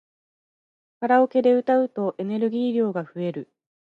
カラオケで歌うとエネルギー量が増える